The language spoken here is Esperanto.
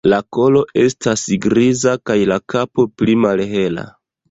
La kolo estas griza kaj la kapo pli malhela.